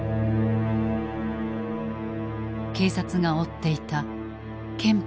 警察が追っていた憲兵Ａ。